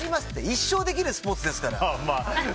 一生できるスポーツですから。